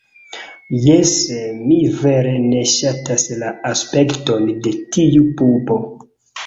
Jes... mi vere ne ŝatas la aspekton de tiu pupo.